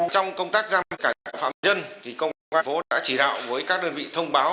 trong công tác giam cảnh phạm nhân công an thành phố đã chỉ đạo với các đơn vị thông báo